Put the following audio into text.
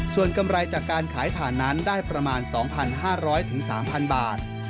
ส่วนกำไรจากการขายถ่านนั้นได้ประมาณ๒๕๐๐๓๐๐บาท